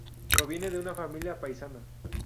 Proviene de una familia paisa.